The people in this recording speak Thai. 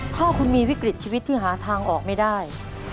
ถ้าคุณมีวิกฤตชีวิตที่หาทางออกไม่ได้